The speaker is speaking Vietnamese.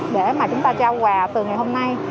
để mà chúng ta trao quà từ ngày hôm nay